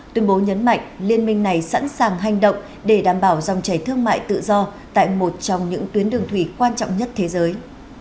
tuyên bố nhấn mạnh liên minh này sẵn sàng hành động để đảm bảo dòng chảy thương mại tự do tại một trong những tuyến đường thủy quan trọng nhất thế giới